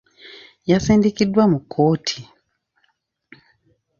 Yasindikiddwa mu kkooti.